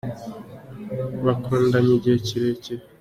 bakundanye igihe kirekire.